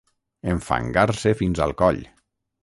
Enfangar-se fins al coll.